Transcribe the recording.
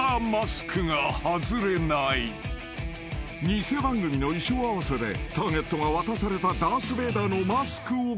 ［偽番組の衣装合わせでターゲットが渡されたダース・ベイダーのマスクをかぶると］